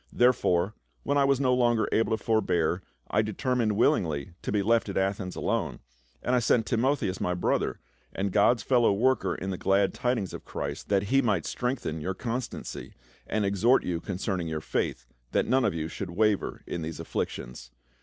Therefore, when I was no longer able to forbear, I determined willingly to be left at Athens alone, and I THE TENT MAKER. 349 sent Timotheus, my brother, and God's fellow worker in the glad tidings of Christ, that he might strengthen your constancy, and exhort you concerning your faith, that none of you should waver in these afflictions.